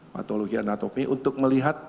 patologi anatomi untuk melihat